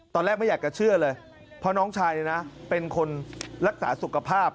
ตอนแรกไม่อยากจะเชื่อเลยเพราะน้องชายเป็นคนรักษาสุขภาพ